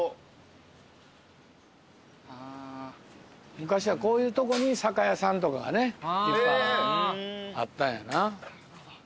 昔はこういうとこに酒屋さんとかがねあったんやな。